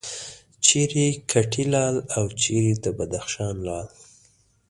چیرې کټې لال او چیرې د بدخشان لعل.